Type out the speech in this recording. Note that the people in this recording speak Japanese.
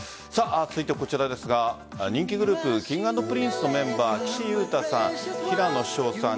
続いてこちらですが人気グループＫｉｎｇ＆Ｐｒｉｎｃｅのメンバー岸優太さん、平野紫耀さん